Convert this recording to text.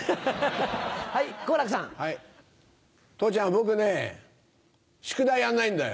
僕ね宿題やんないんだよ。